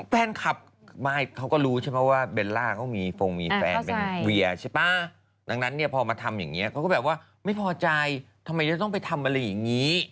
แฟนคลับไม่เขาก็รู้ใช่ไหมว่าเบลล่าเขามีฟงมีแฟนเป็นเวียใช่ป่ะดังนั้นเนี่ยพอมาทำอย่างนี้เขาก็แบบว่าไม่พอใจทำไมจะต้องไปทำอะไรอย่างนี้